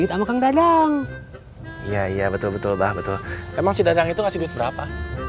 iya iya betul betul banget tuh emang si dadang itu kasih duit berapa